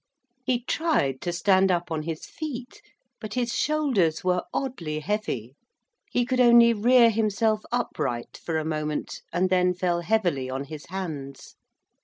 He tried to stand up on his feet, but his shoulders were oddly heavy. He could only rear himself upright for a moment, and then fell heavily on his hands.